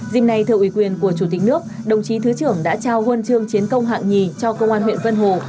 dìm nay thờ ủy quyền của chủ tịch nước đồng chí thứ trưởng đã trao huân chương chiến công hạng nhì cho công an huyện vân hồ